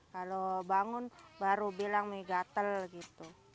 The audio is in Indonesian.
kalau bangun baru bilang gatal gitu